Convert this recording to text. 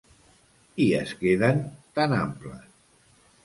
I es queden tan amples.